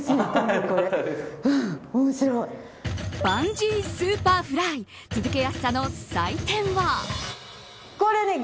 バンジースーパーフライ続けやすさの採点は。